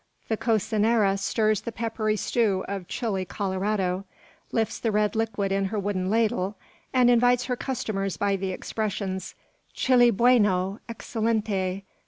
The cocinera stirs the peppery stew of chile Colorado, lifts the red liquid in her wooden ladle, and invites her customers by the expressions: "Chile bueno! excellente!"